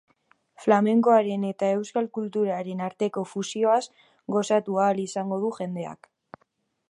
Flamenkoaren eta euskal kulturaren arteko fusioaz gozatu ahal izango du jendeak.